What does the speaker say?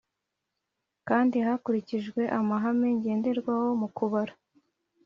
Kandi hakurikijwe amahame ngenderwaho mu kubara